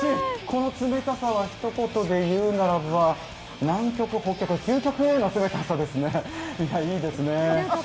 この冷たさはひと言で言うならば南極、北極、究極なる冷たさですね。